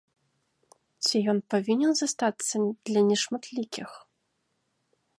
Ці ён павінен застацца для нешматлікіх?